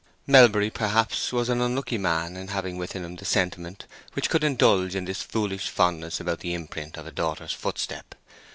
Melbury, perhaps, was an unlucky man in having within him the sentiment which could indulge in this foolish fondness about the imprint of a daughter's footstep.